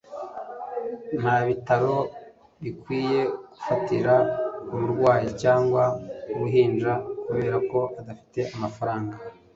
nta bitaro bikwiye gufatira umurwayi cyangwa uruhinja kubera ko adafite amafaranga